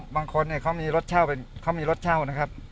บางคนเค้ามีรถเช่านะครับ